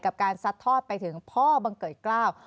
การซัดทอดไปถึงพ่อบังเกิดเกล้า